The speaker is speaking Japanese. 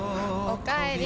おかえり。